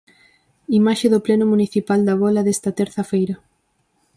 Imaxe do pleno municipal da Bola desta terza feira.